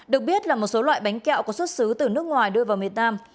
được biết là một số loại bánh kẹo có xuất xứ từ nước ngoài đưa vào miền nam